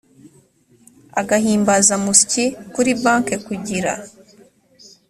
agahimbazamusyi kuri banki kugira